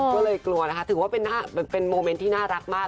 ก็เลยกลัวนะคะถือว่าเป็นโมเมนต์ที่น่ารักมาก